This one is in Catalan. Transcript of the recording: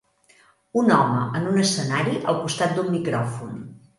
Un home en un escenari al costat d'un micròfon.